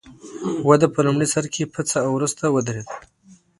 وده په لومړي سر کې پڅه او وروسته ودرېده.